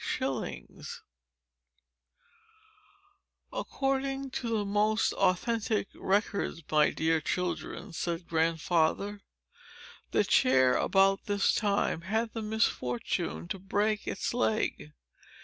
Chapter VI "According to the most authentic records, my dear children," said Grandfather, "the chair, about this time, had the misfortune to break its leg.